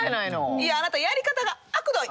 いやあなたやり方があくどい！